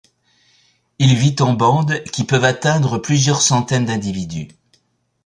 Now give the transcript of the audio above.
Il vit en bandes qui peuvent atteindre plusieurs centaines d'individus.